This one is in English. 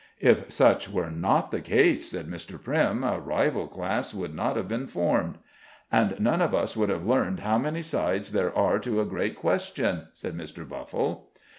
"If such were not the case," said Mr. Primm, "a rival class would not have been formed." "And none of us would have learned how many sides there are to a great question," said. Mr. Buffle.